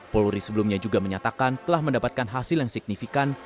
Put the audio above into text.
polri sebelumnya juga menyatakan telah mendapatkan hasil yang signifikan